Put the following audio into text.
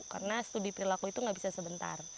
karena studi perilaku itu nggak bisa sebentar